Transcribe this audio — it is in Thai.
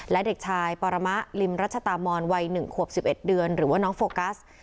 และเด็กชายปรมะลิมรัชตามอนวัย๑ขวบ๑๑เดือนหรือว่าน้องโฟกัส